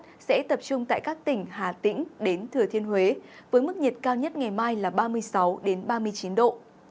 nắng nóng gây gắt sẽ tập trung tại các tỉnh hà tĩnh đến thừa thiên huế với mức nhiệt cao nhất ngày mai là ba mươi sáu ba mươi chín độ